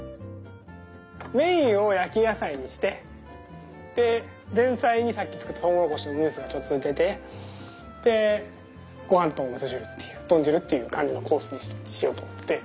メインを焼き野菜にしてで前菜にさっき作ったとうもろこしのムースがちょっと出てでごはんとおみそ汁っていう豚汁っていう感じのコースにしようと思って。